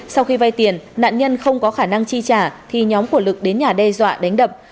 sau khi vay tiền nạn nhân không có khả năng chi trả thì nhóm của lực đến nhà đe dọa đánh đập